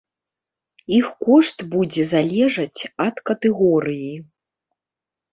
Іх кошт будзе залежаць ад катэгорыі.